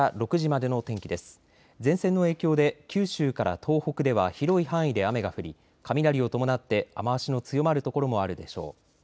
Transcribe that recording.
前線の影響で九州から東北では広い範囲で雨が降り雷を伴って雨足の強まる所もあるでしょう。